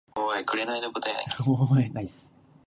桜の下には死体が埋まっている